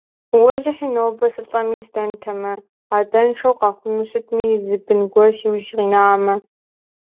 Уэлэхьи, нобэ сылӀэми здэнтэмэ, адэншэу къэхъуну щытми, зы бын гуэр си ужь къинамэ.